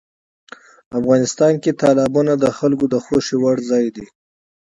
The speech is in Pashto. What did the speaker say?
افغانستان کې تالابونه د خلکو د خوښې وړ ځای دی.